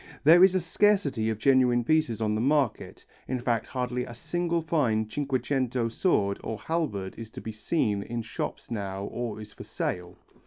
There is a scarcity of genuine pieces on the market, in fact hardly a single fine Cinquecento sword or halberd is to be seen in shops now or is for sale.